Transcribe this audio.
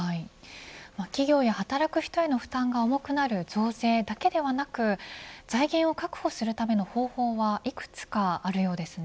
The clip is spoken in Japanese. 企業や働く人への負担が重くなる増税だけではなく財源を確保するための方法はいくつかあるようですね。